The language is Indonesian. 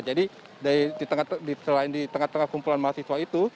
jadi selain di tengah tengah kumpulan mahasiswa itu